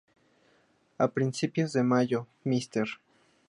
A principios de mayo, "Mr.